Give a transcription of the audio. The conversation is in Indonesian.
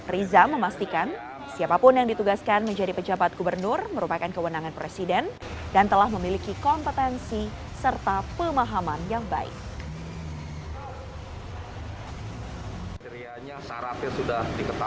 riza memastikan siapapun yang ditugaskan menjadi pejabat gubernur merupakan kewenangan presiden dan telah memiliki kompetensi